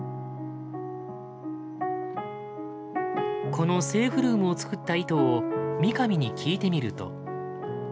このセーフルームを作った意図を三上に聞いてみると。